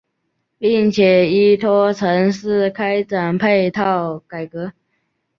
并且依托城市开展配套改革。